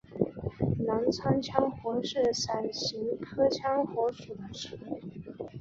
澜沧羌活是伞形科羌活属的植物。